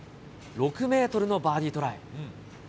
６メートルのバーディートライ。